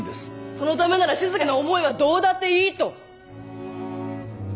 そのためならしずかの思いはどうだっていいと？